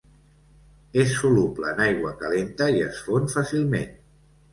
És soluble en aigua calenta i es fon fàcilment.